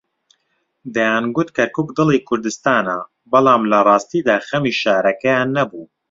دەیانگوت کەرکووک دڵی کوردستانە، بەڵام لەڕاستیدا خەمی شارەکەیان نەبوو.